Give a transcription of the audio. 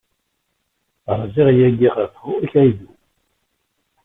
Rziɣ yagi ɣef Hokkaido.